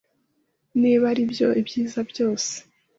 Niba aribyo, ibyiza byose.